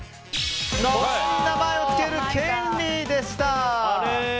星に名前を付ける権利でした！